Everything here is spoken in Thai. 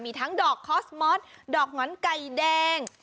มีทั้งดอกคอสมอสดอกหงอนไก่แดง